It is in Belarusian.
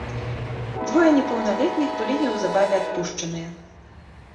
Двое непаўналетніх былі неўзабаве адпушчаныя.